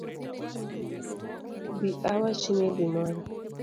Bi awachnie gimoro